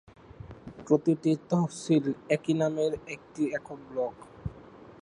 প্রতিটি তহসিল একই নামের একটি একক ব্লক।